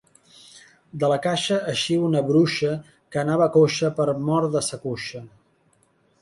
De la caixa eixí una bruixa que anava coixa per mor de sa cuixa.